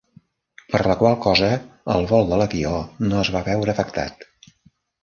Per la qual cosa, el vol de l'avió no es va veure afectat.